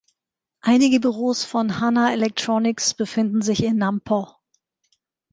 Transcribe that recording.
Einige Büros von Hana Electronics befinden sich in Namp’o.